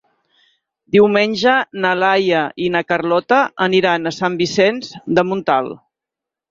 Diumenge na Laia i na Carlota aniran a Sant Vicenç de Montalt.